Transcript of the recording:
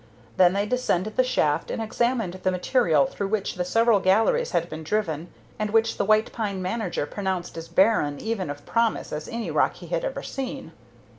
Then they descended the shaft and examined the material through which the several galleries had been driven, and which the White Pine manager pronounced as barren even of promise as any rock he had ever seen.